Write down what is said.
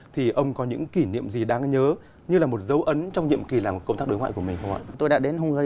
thì ông có những kỷ niệm gì đáng nhớ như là một dấu ấn trong nhiệm kỳ làm công tác đối ngoại của mình không ạ